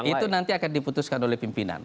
itu nanti akan diputuskan oleh pimpinan